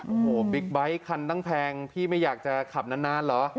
โอ้โหบิ๊กไบท์คันตั้งแพงพี่ไม่อยากจะขับนานเหรอ